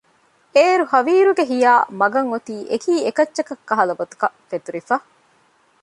އޭރު ހަވީރުގެ ހިޔާ މަގަށް އޮތީ އެކީ އެކައްޗަކަށް ކަހަލަ ގޮތަކަށް ފެތުރިފަ